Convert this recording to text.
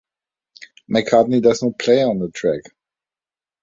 McCartney does not play on the track.